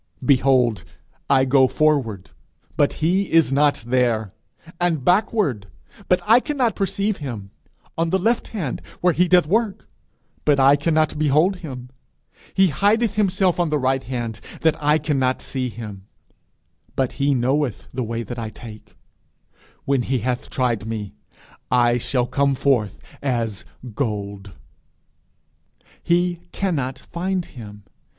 Behold, I go forward, but he is not there; and backward, but I cannot perceive him: on the left hand, where he doth work, but I cannot behold him: he hideth himself on the right hand, that I cannot see him: but he knoweth the way that I take: when he hath tried me, I shall come forth as gold.' He cannot find him!